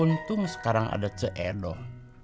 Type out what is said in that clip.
untung sekarang ada ceedoh